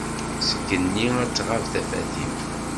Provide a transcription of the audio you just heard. Seg igenni ad tɣab tafat-im.